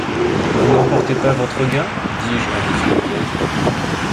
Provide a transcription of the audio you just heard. Vous n'emportez pas votre gain ? dis-je à Monsieur Mendez.